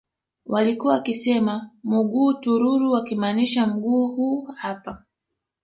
Walkuwa wakisema Mughuu turuturu wakimaanisha mguu huu hapa